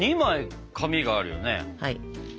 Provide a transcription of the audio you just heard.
はい。